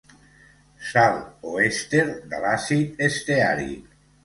Sal o èster de l'àcid esteàric.